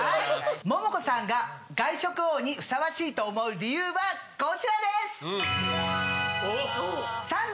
モモコさんが外食王にふさわしいと思う理由はこちらです！